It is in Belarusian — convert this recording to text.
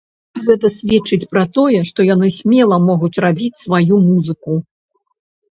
Гэта сведчыць пра тое, што яны смела могуць рабіць сваю музыку.